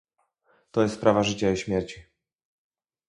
To jest sprawa życia i śmierci